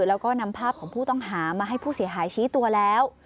แล้วก็นำภาพของผู้ต้องหามาให้ผู้เสียหายชี้ตัวแล้ว